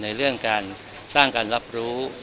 ในเรื่องการสร้างการรับรู้